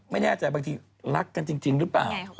ไม่แน่ใจบางทีรักกันจริงหรือเปล่า